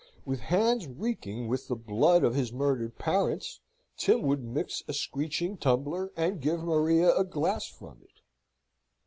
With hands reeking with the blood of his murdered parents, Tim would mix a screeching tumbler, and give Maria a glass from it.